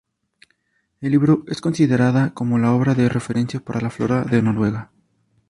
El libro es considerada como la obra de referencia para la flora de Noruega.